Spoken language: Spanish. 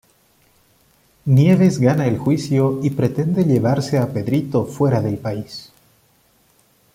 Nieves gana el juicio y pretende llevarse a Pedrito fuera del país.